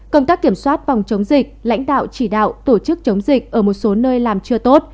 công tác kiểm soát phòng chống dịch lãnh đạo chỉ đạo tổ chức chống dịch ở một số nơi làm chưa tốt